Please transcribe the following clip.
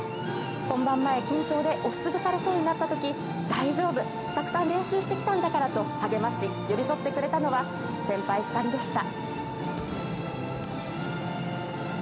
本番前、緊張で押し潰されそうになったときに、大丈夫、たくさん練習してきたんだからと励まし寄り添ってくれたのは先輩２人でした。